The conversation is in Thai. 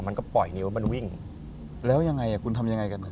มันก็ปล่อยนิ้วมันวิ่งแล้วยังไงคุณทำยังไงกัน